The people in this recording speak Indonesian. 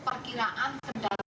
apakah itu seperti apa bu